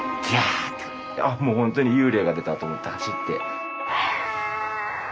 あもう本当に幽霊が出たと思って走って。